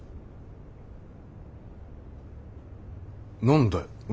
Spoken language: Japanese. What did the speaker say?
何だよ。